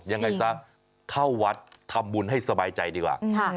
ยังไงซะเข้าวัดทำบุญให้สบายใจดีกว่า